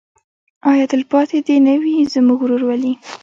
آیا تلپاتې دې نه وي زموږ ورورولي؟